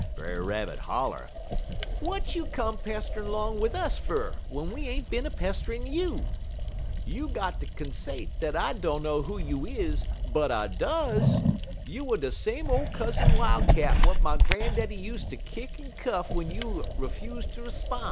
Brer Rabbit holler: "'W'at you come pesterin' 'long wid us fer, w'en we ain't bin a pesterin' you? You got de consate dat I dunner who you is, but I does. Youer de same ole Cousin Wildcat w'at my gran'daddy use ter kick en cuff w'en you 'fuse ter 'spon'.